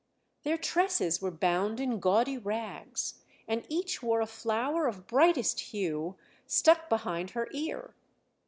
Their tresses were bound in gaudy rags, and each wore a flower of brightest hue stuck behind her ear.